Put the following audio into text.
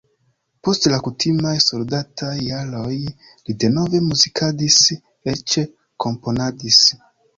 Post la kutimaj soldataj jaroj li denove muzikadis, eĉ komponadis.